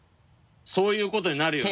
そういうことになるよね。